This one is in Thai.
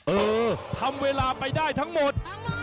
เออทำเวลาไปได้ทั้งหมด